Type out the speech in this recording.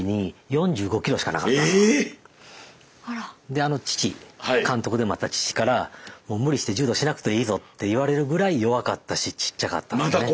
⁉であの父監督でもあった父からもう無理して柔道しなくていいぞって言われるぐらい弱かったしちっちゃかったんですね。